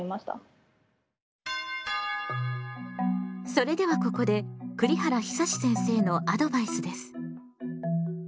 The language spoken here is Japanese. それではここで栗原久先生のアドバイスです。